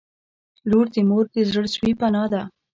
• لور د مور د زړسوي پناه ده.